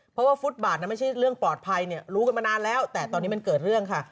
เพราะว่าฟุตบาทไม่ใช่เรื่องปลอดภัยเนี่ยรู้กันมานานแล้วแต่ตอนนี้มันเกิดเรื่องค่ะ